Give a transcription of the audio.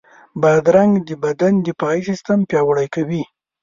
بادرنګ د بدن دفاعي سیستم پیاوړی کوي.